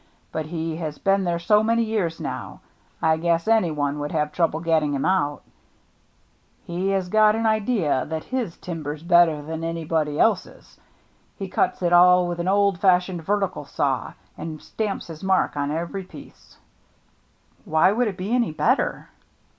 But he has been there so many years now, I guess any one would have trouble getting THE NEW MATE 59 him out. He has got an idea that his tim ber's better than anybody else's. He cuts it all with an old fashioned vertical saw, and stamps his mark on every piece." "Why should it be any better